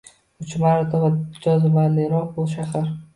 Uch marotaba jozibaliroq bu shahar.